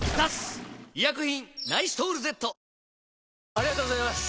ありがとうございます！